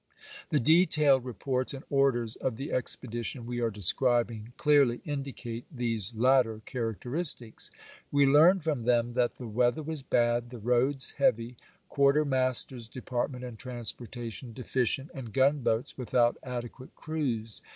The detailed reports and orders of the expedition we are describing clearly indicate these latter char acteristics. We learn from them that the weather was bad, the roads heavy, quartermaster's depart ment and transportation deficient, and gunboats without adequate crews.